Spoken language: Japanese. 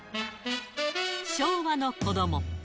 昭和の子ども。